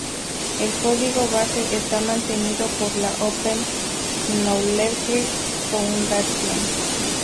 El código base esta mantenido por la Open Knowledge Foundation.